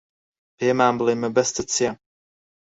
پێمان بڵێ مەبەستت چییە.